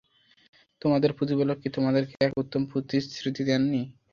তোমাদের প্রতিপালক কি তোমাদেরকে এক উত্তম প্রতিশ্রুতি দেননি?